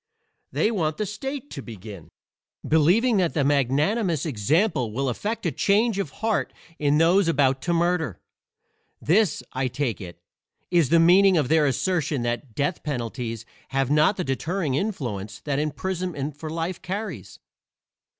They want the state to begin, believing that the magnanimous example will effect a change of heart in those about to murder. This, I take it, is the meaning of their assertion that death penalties have not the deterring influence that imprisonment for life carries.